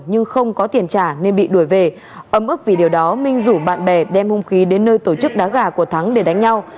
nhưng không có tiền trả nên bị đuổi về ấm ức vì điều đó minh rủ bạn bè đem hung khí đến nơi tổ chức đá gà của thắng để đánh nhau